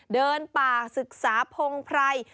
เดินป่าศึกษาพงไพร